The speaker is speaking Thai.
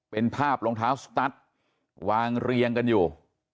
เป็นภาพรองเท้าสตัสวางเรียงกันอยู่